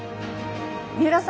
三浦さん